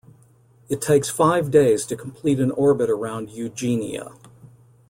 It takes five days to complete an orbit around Eugenia.